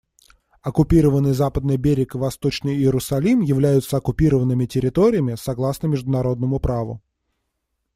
Оккупированный Западный берег и Восточный Иерусалим являются оккупированными территориями, согласно международному праву.